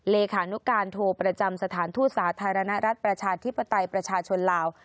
เลขานุการโทประจำสถานทูตสาธารณรัฐประชาธิปไตยประชาชนลาว